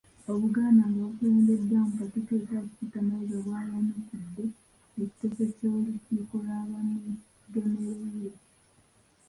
Obuganda nga bukulembeddwamu Katikkiro Charles Peter Mayiga bwayanukudde ekiteeso ky'olukiiko lwa Bamugemereire.